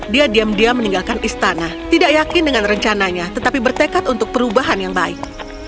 dia diam diam meninggalkan istana tidak yakin dengan rencananya tetapi bertekad untuk perubahan yang baik